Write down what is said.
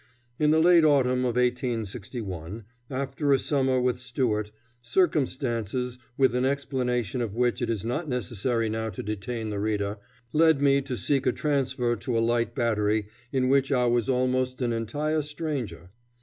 In the late autumn of 1861, after a summer with Stuart, circumstances, with an explanation of which it is not necessary now to detain the reader, led me to seek a transfer to a light battery, in which I was almost an entire stranger.